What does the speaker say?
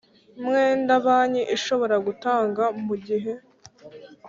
Mwenda banki ishobora gutanga mu gihe